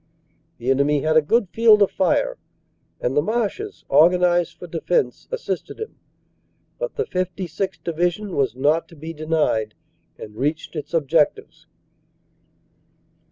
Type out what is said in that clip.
The enemy had a good field of fire, and the marshes, organized for defense, assisted him. But the 56th. Division was not to be denied and reached its objectives.